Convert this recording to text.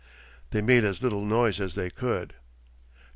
They made as little noise as they could....